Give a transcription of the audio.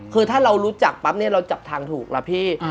คือถ้าเรารู้จักปั๊บเนี่ยเราจับทางถูกล่ะพี่